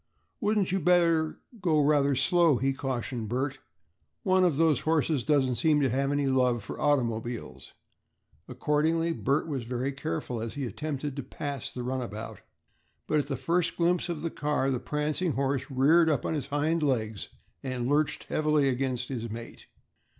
"Wouldn't you better go rather slow," he cautioned Bert; "one of those horses doesn't seem to have any love for automobiles." Accordingly, Bert was very careful as he attempted to pass the runabout; but at the first glimpse of the car the prancing horse reared up on his hind legs and lurched heavily against his mate.